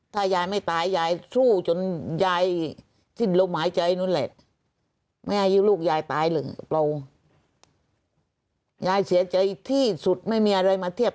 ถ้ายายไม่ตายยายสู้จนยาย